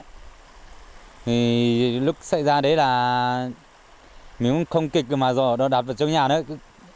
thì lúc xảy ra đấy là mình cũng không kịch mà đòi đạp vào trong nhà đấy